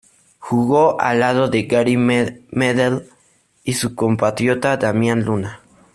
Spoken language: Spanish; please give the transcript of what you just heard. Jugó al lado de Gary Medel y su compatriota Damián Luna.